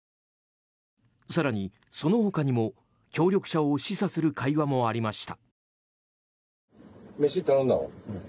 更にその他にも、協力者を示唆する会話もありました。